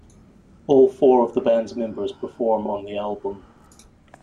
All four of the band's members perform on the album.